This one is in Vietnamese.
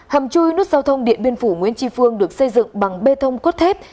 hầm chui nút giao thông điện biên phủ nguyễn tri phương được xây dựng bằng bê tông cốt thép